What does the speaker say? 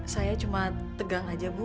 saya cuma tegang aja bu